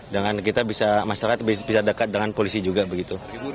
dengan kita bisa masyarakat bisa dekat dengan polisi juga begitu